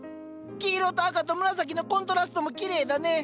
黄色と赤と紫のコントラストもきれいだね。